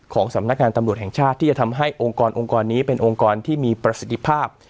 สำนักงานตำรวจแห่งชาติที่จะทำให้องค์กรองค์กรนี้เป็นองค์กรที่มีประสิทธิภาพ